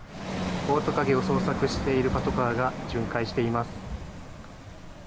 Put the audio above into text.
オオトカゲを捜索しているパトカーが巡回しています。